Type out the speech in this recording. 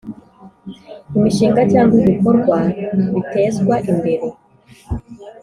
Imishinga cyangwa ibikorwa bitezwa imbere